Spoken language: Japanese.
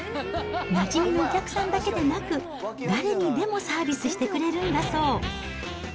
なじみのお客さんだけでなく、誰にでもサービスしてくれるんだそう。